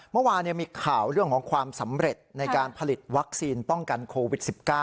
เมื่อวานมีข่าวเรื่องของความสำเร็จในการผลิตวัคซีนป้องกันโควิด๑๙